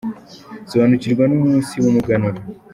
Sobanukirwa n’umunsi w’umuganura